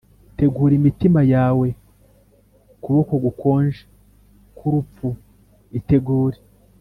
tegura imitima yawe kuboko gukonje k'urupfu! itegure